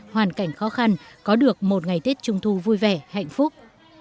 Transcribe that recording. hoàn cảnh khó khăn có được một ngày tết trung thu vui vẻ hạnh phúc